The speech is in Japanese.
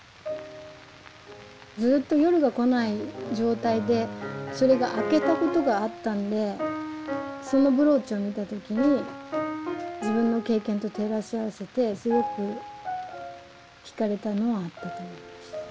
ずっと夜が来ない状態でそれが明けたことがあったんでそのブローチを見た時に自分の経験と照らし合わせてすごく惹かれたのはあったと思います。